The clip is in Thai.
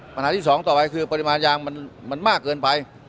ปัญหาที่สองต่อไปคือปริมาณยางมันมากเกินไป